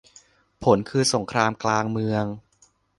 ผลคือสงครามกลางเมือง